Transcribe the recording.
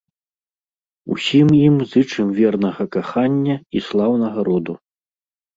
Усім ім зычым вернага кахання і слаўнага роду.